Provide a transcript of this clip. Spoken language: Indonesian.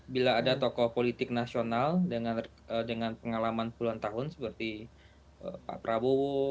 bila ada tokoh politik nasional dengan pengalaman puluhan tahun seperti pak prabowo